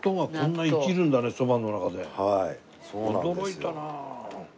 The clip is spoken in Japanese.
驚いたな。